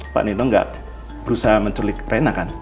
pak nino nggak berusaha menculik rena kan